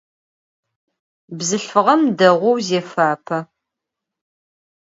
Bzılhfığem değou zêfape.